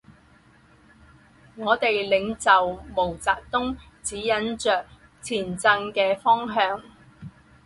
我们领袖毛泽东，指引着前进的方向。